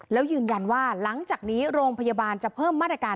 แล้วยืนยันว่าหลังจากนี้โรงพยาบาลจะเพิ่มมาตรการ